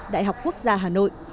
đại học quốc gia hà nội